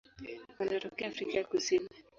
Wanatokea Afrika ya Kusini.